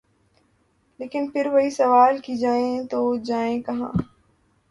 لیکن پھر وہی سوال کہ جائیں تو جائیں کہاں۔